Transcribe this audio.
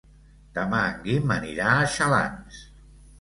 Demà en Guim anirà a Xalans.